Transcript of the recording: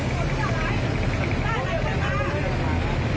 ไม่ต้องสนใจหรอก